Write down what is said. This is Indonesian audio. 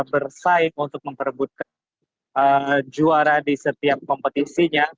bersaing untuk memperebutkan juara di setiap kompetisinya